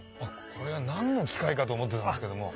これは何の機械かと思ってたんですけども。